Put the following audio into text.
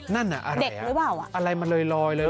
นั่นอ่ะอะไรอ่ะอะไรมาเลยลอยเลย